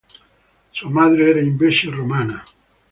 Sua madre era invece romana.